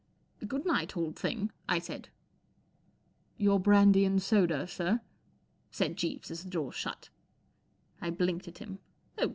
44 Good night, old thing/* 1 said, " Your brandy and soda, sir, f said Jeeves, as the door shut, I blinked at him.